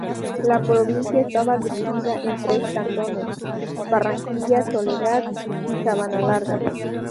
La provincia estaba dividida en tres cantones: Barranquilla, Soledad y Sabanalarga.